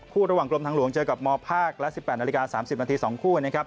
ระหว่างกรมทางหลวงเจอกับมภาคและ๑๘นาฬิกา๓๐นาที๒คู่นะครับ